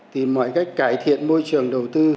tìm mọi cách cải thiện môi trường đầu tư